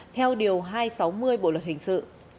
theo điều hai trăm sáu mươi bộ luật hình sự